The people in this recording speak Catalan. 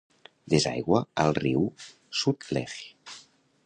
Desaigua al riu Sutlej.